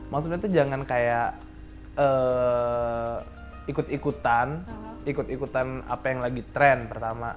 maksudnya tuh jangan kayak ikut ikutan ikut ikutan apa yang lagi tren pertama